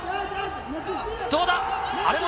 どうだ。